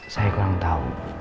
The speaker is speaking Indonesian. saya kurang tahu